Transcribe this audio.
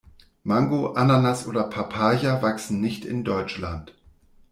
Mango, Ananas oder Papaya wachsen nicht in Deutschland.